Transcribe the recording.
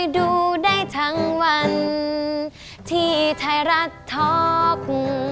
ดูได้ทั้งวันที่ไทยรัฐท็อก